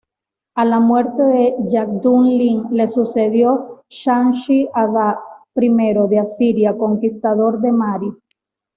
A la muerte de Yahdun-Lim le sucedió Shamshi-Adad I de Asiria, conquistador de Mari.